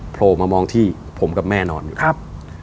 โพลมามองที่ผมกับแม่นอนอยู่